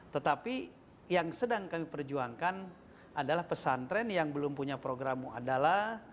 tetapi yang sedang kami perjuangkan adalah pesantren yang belum punya program mu'adalah